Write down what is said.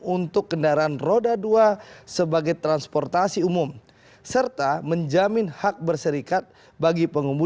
untuk kendaraan roda dua sebagai transportasi umum serta menjamin hak berserikat bagi pengumum